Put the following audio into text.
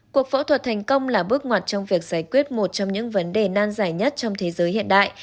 cuộc phẫu thuật thành công là bước ngoặt trong việc giải quyết một trong những vấn đề nan giải nhất trong thế giới hiện đại